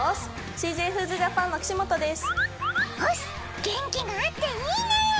ＣＪＦＯＯＤＳＪＡＰＡＮの岸本です。